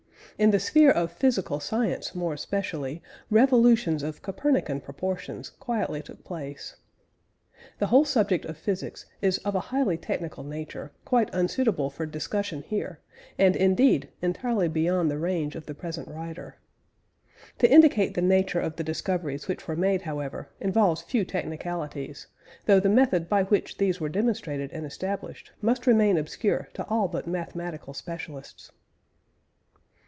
In the sphere of physical science, more especially, revolutions of Copernican proportions quietly took place. The whole subject of physics is of a highly technical nature, quite unsuitable for discussion here, and, indeed, entirely beyond the range of the present writer. To indicate the nature of the discoveries which were made, however, involves few technicalities: though the method by which these were demonstrated and established must remain obscure to all but mathematical specialists.